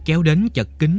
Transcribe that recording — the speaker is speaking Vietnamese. kéo đến chật kính